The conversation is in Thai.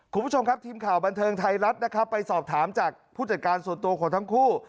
คุณผู้ชมครับทีมข่าวบันเทิงไทยรัฐนะครับไปสอบถามจากผู้จัดการส่วนตัวของทั้งคู่